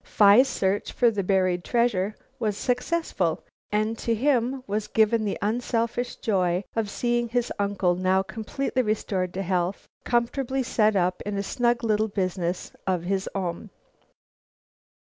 Phi's search for the buried treasure was successful, and to him was given the unselfish joy of seeing his uncle, now completely restored to health, comfortably set up in a snug little business of his own.